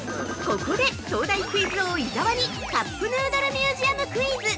◆ここで東大クイズ王・伊沢にカップヌードルミュージアムクイズ。